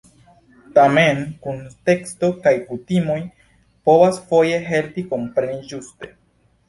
Tamen, kunteksto kaj kutimoj povas foje helpi kompreni ĝuste.